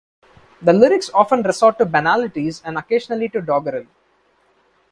The lyrics often resort to banalities and occasionally to doggerel.